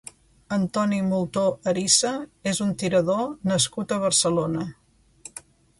Antoni Moltó Arissa és un tirador nascut a Barcelona.